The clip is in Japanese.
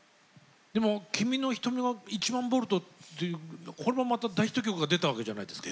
でも「君のひとみは１００００ボルト」っていうこれもまた大ヒット曲が出たわけじゃないですか。